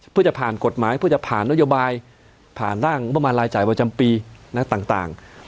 เพื่อจะผ่านกฎหมายเพื่อจะผ่านนโยบายผ่านร่างงบประมาณรายจ่ายประจำปีต่าง